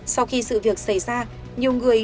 sau khi sự việc xảy ra nhiều người